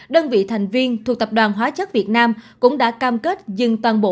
đơn vị thành viên thuộc tập đoàn hóa chất việt nam cũng đã cam kết dừng toàn bộ